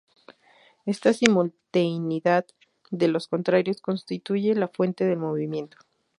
Esta simultaneidad de los contrarios constituye la fuente del movimiento.